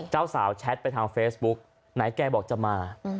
เจ้าสาวแชทไปทางเฟซบุ๊กไหนแกบอกจะมา